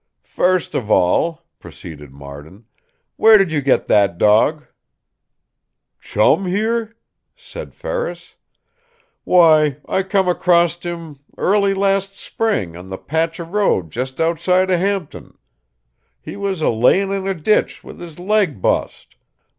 "First of all," proceeded Marden, "where did you get that dog?" "Chum here?" said Ferris. "Why, I come acrost him, early last spring, on the patch of state road, jes' outside of Hampton. He was a layin' in a ditch, with his leg bust.